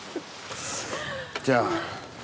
じゃあ。